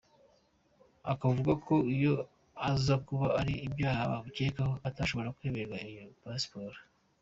Akavuga ko iyo aza kuba hari ibyaha bamukekaho atashoboraga kwemererwa iyo pasiporo.